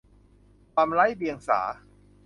ความไร้เดียงสา